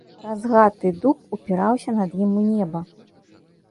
Разгаты дуб упіраўся над ім у неба.